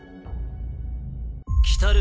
来る